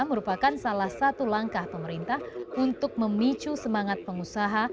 merupakan salah satu langkah pemerintah untuk memicu semangat pengusaha